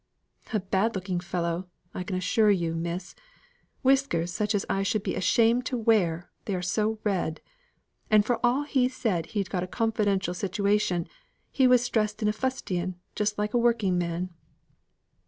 "A bad looking fellow, I can assure you, miss. Whiskers such as I should be ashamed to wear they are so red. And for all he said he'd got a confidential situation, he was dressed in fustian just like a working man."